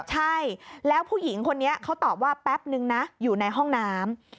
ใช่แล้วผู้หญิงคนนี้เขาตอบว่าแป๊บนึงนะอยู่ในห้องน้ำ